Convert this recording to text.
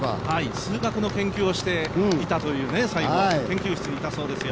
数学の研究をしていたという最後、研究室にいたそうですよ。